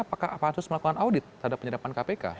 apakah pansus melakukan audit terhadap penyadapan kpk